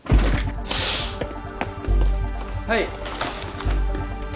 はい。